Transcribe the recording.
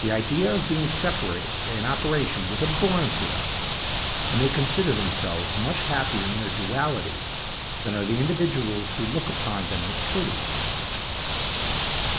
The idea of being separated by an operation was abhorrent to them; and they consider themselves much happier in their duality than are the individuals who look upon them with pity."